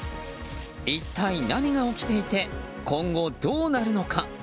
一体何が起きていて今後どうなるのか？